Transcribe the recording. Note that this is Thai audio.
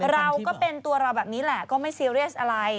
เราก็เป็นตัวเราแบบนี้แหละก็ไม่ซีเรียสอะไร